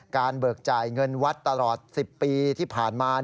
เบิกจ่ายเงินวัดตลอด๑๐ปีที่ผ่านมา